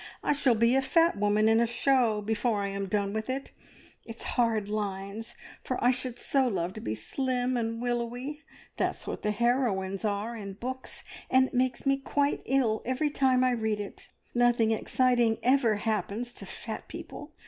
I shall be a fat woman in a show, before I am done with it. It's hard lines, for I should so love to be slim and willowy. That's what the heroines are in books, and it makes me quite ill every time I read it. Nothing exciting ever happens to fat people!